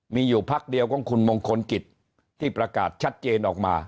มีอยู่พักเดียวของคุณมงคลกิจที่ประกาศชัดเจนออกมา